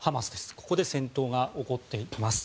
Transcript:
ここで戦闘が起こっています。